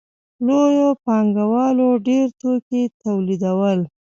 لویو پانګوالو ډېر توکي تولیدول